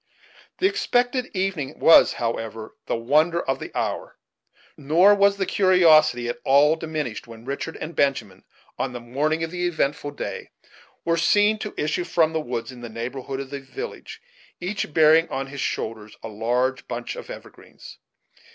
The expected evening was, however, the wonder of the hour; nor was the curiosity at all diminished when Richard and Benjamin, on the morning of the eventful day, were seen to issue from the woods in the neighborhood of the village, each bearing on his shoulders a large bunch of evergreens.